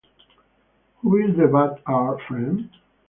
Who Is the Bad Art Friend?